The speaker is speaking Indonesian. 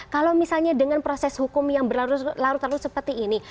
kalau misalnya dengan proses hukum yang berlarut larut seperti ini